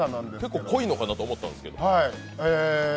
結構、濃いのかなと思ったんですけど。